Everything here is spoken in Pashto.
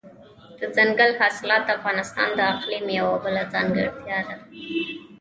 دځنګل حاصلات د افغانستان د اقلیم یوه بله ځانګړتیا ده.